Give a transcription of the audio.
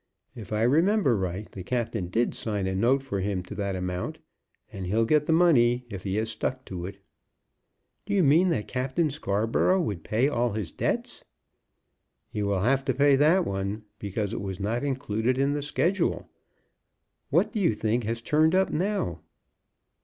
If I remember right, the captain did sign a note for him to that amount, and he'll get the money if he has stuck to it." "Do you mean that Captain Scarborough would pay all his debts?" "He will have to pay that one, because it was not included in the schedule. What do you think has turned up now?"